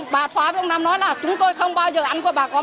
bà xoa với ông nam nói là chúng tôi không bao giờ ăn của bà có một đồng